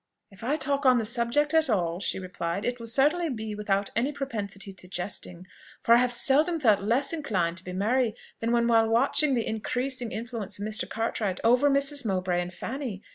"If I talk on the subject at all," she replied, "it will certainly be without any propensity to jesting; for I have seldom felt less inclined to be merry than while watching the increasing influence of Mr. Cartwright over Mrs. Mowbray and Fanny.